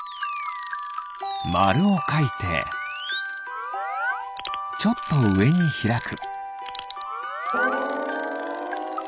まるをかいてちょっとうえにひらく。